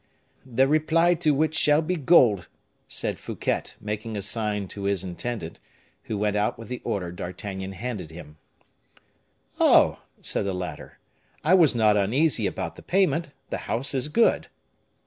"The reply to which shall be gold," said Fouquet, making a sign to his intendant, who went out with the order D'Artagnan handed him. "Oh!" said the latter, "I was not uneasy about the payment; the house is good."